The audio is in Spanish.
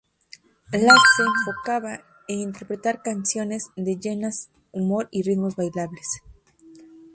La se enfocaba en interpretar canciones de llenas humor y ritmos bailables.